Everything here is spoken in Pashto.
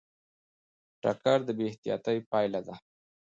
ټکر د بې احتیاطۍ پایله ده.